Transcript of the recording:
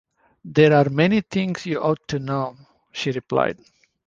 “There are many things you ought to know,” she replied.